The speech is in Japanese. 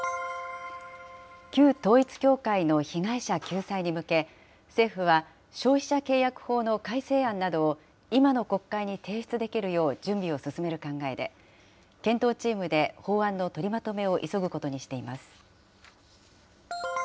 旧統一教会の被害者救済に向け、政府は、消費者契約法の改正案などを、今の国会に提出できるよう準備を進める考えで、検討チームで法案の取りまとめを急ぐことにしています。